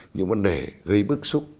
những vấn đề gây bức xúc